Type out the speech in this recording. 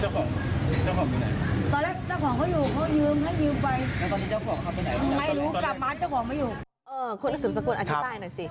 คุณลูกศึกสกุลอาทิตย์ใต้หน่อยสิ